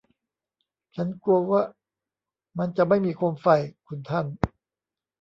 ฉันกลัวว่ามันจะไม่มีโคมไฟ คุณท่าน